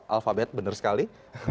alphabet benar sekali